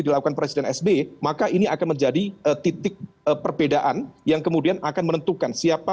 dilakukan presiden sbe maka ini akan menjadi titik perbedaan yang kemudian akan menentukan siapa